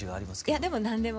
いやでも何でも。